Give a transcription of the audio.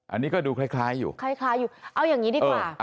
อันนี้ก็ดูคล้ายอยู่คล้ายอยู่เอาอย่างนี้ดีกว่า